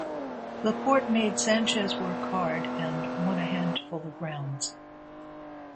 Laporte made Sanchez work hard and won a handful of rounds.